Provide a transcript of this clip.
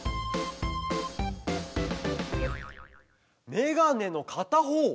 メガネのかたほう！